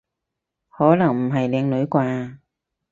可能唔係靚女啩？